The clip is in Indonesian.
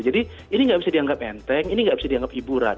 jadi ini nggak bisa dianggap enteng ini nggak bisa dianggap hiburan